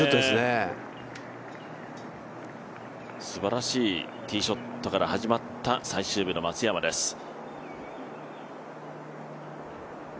すばらしいティーショットから始まった最終日の松山です。